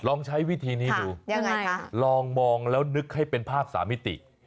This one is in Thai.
ลองใช้วิธีนี้ดูยังไงคะลองมองแล้วนึกให้เป็นภาพสามมิติ